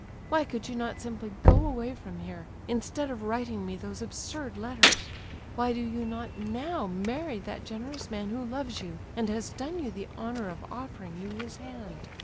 Why could you not simply go away from here, instead of writing me those absurd letters? Why do you not now marry that generous man who loves you, and has done you the honour of offering you his hand?